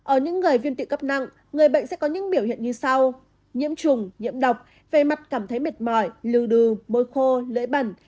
ở những người viên tụy cấp nặng người bệnh sẽ có những biểu hiện như sau nhiễm trùng nhiễm độc về mặt cảm thấy mệt mỏi lưu đừ môi khô lưỡi bẩn